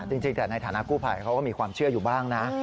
จริงแต่ในฐานะกู้ภัยเขาก็มีความเชื่ออยู่บ้างนะ